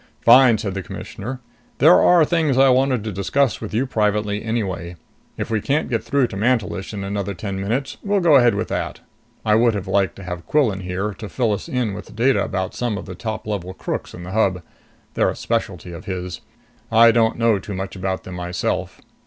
"Fine," said the Commissioner. "There are things I wanted to discuss with you privately anyway. If we can't get through to Mantelish in another ten minutes, we'll go ahead with that. I would have liked to have Quillan here to fill us in with data about some of the top level crooks in the Hub. They're a specialty of his. I don't know too much about them myself."